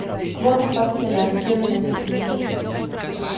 Forma parte de la región de la Sierra Norte de Puebla.